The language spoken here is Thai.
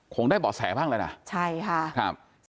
คงได้เบาะแสบ้างแล้วนะใช่ค่ะครับ